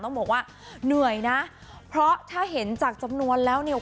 ต้องบอกว่าเหนื่อยนะเพราะถ้าเห็นจากจำนวนแล้วเนี่ย